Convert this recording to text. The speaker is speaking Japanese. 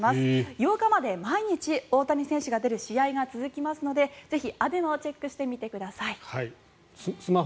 ８日まで毎日大谷選手が出る試合が続きますのでぜひＡＢＥＭＡをチェックしてみてください。